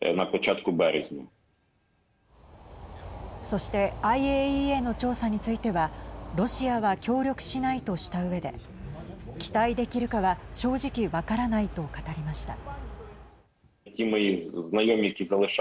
そしてＩＡＥＡの調査についてはロシアは協力しないとしたうえで期待できるかは正直分からないと語りました。